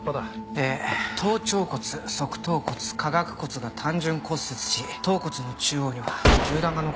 えー頭頂骨側頭骨下顎骨が単純骨折し頭骨の中央には銃弾が残っていました。